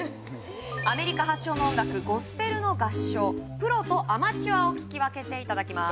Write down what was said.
アメリカ発祥の音楽ゴスペルの合唱プロとアマチュアを聴き分けていただきます